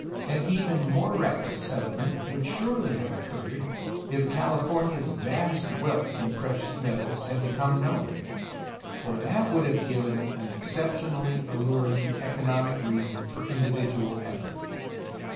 An even more rapid settlement would surely have occurred if CaUfornia's vast wealth in precious metals had become known, for that would have given an exceptionally alluring economic reason for individual effort.